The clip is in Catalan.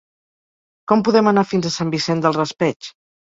Com podem anar fins a Sant Vicent del Raspeig?